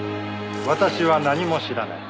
私は何も知らない。